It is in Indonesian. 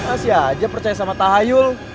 masih aja percaya sama tahayul